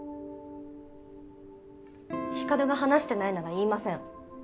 光琉が話してないなら言いません